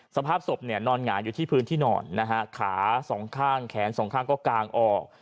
สภาพศพเนี่ยนอนหงายอยู่ที่พื้นที่นอนนะฮะขาสองข้างแขนสองข้างก็กางออก